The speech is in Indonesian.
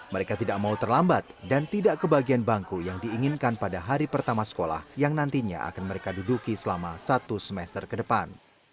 mereka tidak mau terlambat dan tidak kebagian bangku yang diinginkan pada hari pertama sekolah yang nantinya akan mereka duduki selama satu semester ke depan